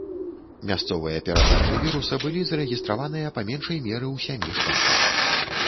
Мясцовыя перадачы віруса былі зарэгістраваныя па меншай меры ў сямі штатах.